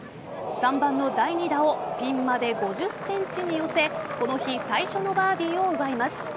３番の第２打をピンまで５０ｃｍに寄せこの日最初のバーディーを奪います。